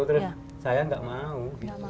terus saya nggak mau